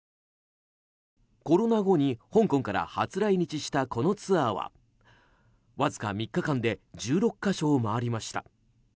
コロナ後に香港から初来日したこのツアーはわずか３日間で１６か所を回りました。